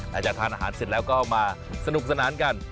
หลังจากทานอาหารเสร็จแล้วก็มาสนุกสนานกัน